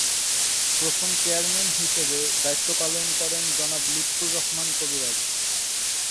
প্রথম চেয়ারম্যান হিসেবে দায়িত্ব পালন করেন জনাব লুৎফর রহমান কবিরাজ।